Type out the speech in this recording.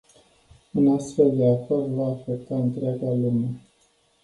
Un astfel de acord va afecta întreaga lume.